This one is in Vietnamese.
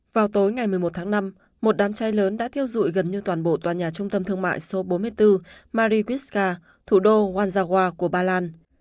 vào tối ngày một mươi một tháng năm một đám cháy lớn đã thiêu dụi gần như toàn bộ tòa nhà trung tâm thương mại số bốn mươi bốn mariska thủ đô oanzawa của ba lan